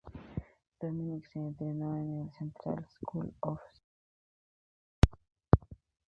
Dominic se entrenó en el Central School of Speech and Drama.